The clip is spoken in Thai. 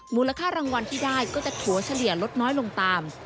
มูลค่ารางวัลที่ได้ก็จะถั่วเฉลี่ยลดน้อยลงตาม